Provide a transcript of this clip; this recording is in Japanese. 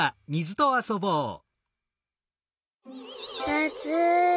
あつい！